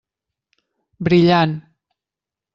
Brillant.